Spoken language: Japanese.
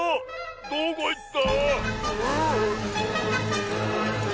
どこいった？